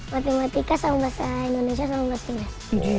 matematika sama bahasa indonesia sama bahasa inggris